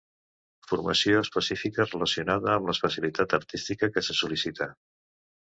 Formació específica relacionada amb l'especialitat artística que se sol·licita.